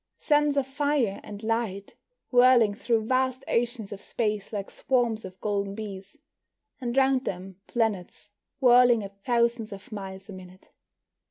Suns of fire and light, whirling through vast oceans of space like swarms of golden bees. And round them planets whirling at thousands of miles a minute.